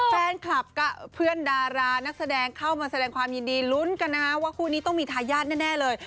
แฟนคลับกับเพื่อนดารานักแสดงเข้ามาแสดงความยินดีลุ้นกันนะฮะว่าคู่นี้ต้องมีทายาทแน่เลย